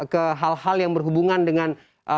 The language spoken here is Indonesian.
ke hal hal yang berhubungan dengan